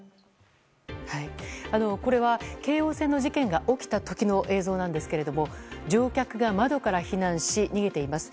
これは京王線の事件が起きた時の映像なんですが乗客が窓から避難し逃げています。